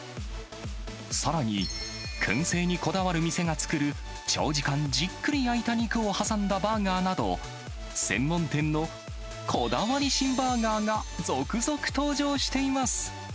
さらに、くん製にこだわる店が作る、長時間、じっくり焼いた肉を挟んだバーガーなど、専門店のこだわり新バーガーが続々登場しています。